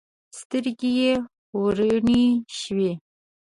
سترګې یې وروڼې شوې.